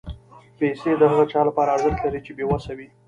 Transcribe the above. پېسې د هغه چا لپاره ارزښت لري چې بېوسه وي.